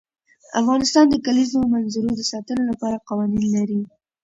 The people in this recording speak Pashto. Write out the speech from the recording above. افغانستان د د کلیزو منظره د ساتنې لپاره قوانین لري.